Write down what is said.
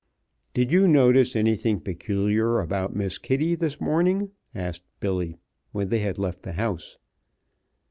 "Did you notice anything peculiar about Miss Kitty this morning?" asked Billy, when they had left the house.